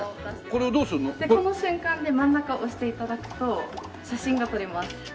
この瞬間で真ん中を押して頂くと写真が撮れます。